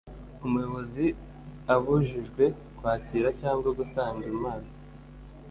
Umuyobozi abujijwe kwakira cyangwa gutanga impano